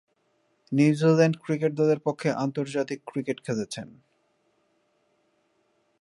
New Zealand cricket দলের পক্ষে আন্তর্জাতিক ক্রিকেট খেলেছেন।